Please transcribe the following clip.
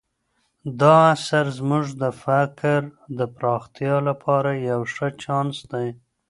دا اثر زموږ د فکر د پراختیا لپاره یو ښه چانس دی.